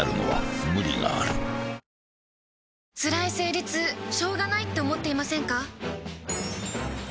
つらい生理痛しょうがないって思っていませんか？